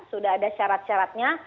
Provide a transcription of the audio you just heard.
sudah ada syarat syaratnya